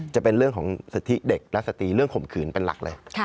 จะเป็นเรื่องของสิทธิเด็กและสตรีเรื่องข่มขืนเป็นหลักเลย